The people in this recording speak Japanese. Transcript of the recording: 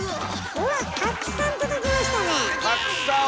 うわったくさん届きましたね！